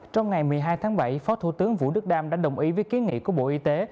trong ngày một mươi hai tháng bảy phó thủ tướng vũ đức đam đã đồng ý với ký nghị của bộ y tế